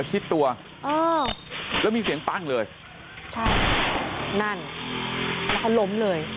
ชิดตัวเออแล้วมีเสียงปั้งเลยใช่นั่นแล้วเขาล้มเลย